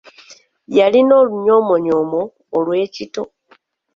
Yalina olunyoomonyoomo olw'ekito.